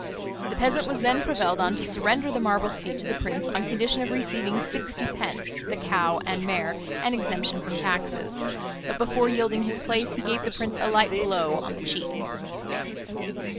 The peasant was then prevailed on to surrender the marble seat to the prince on condition of receiving sixty pence, the cow and mare, and exemption from taxes. But before yielding his place he gave the prince a light blow on the cheek.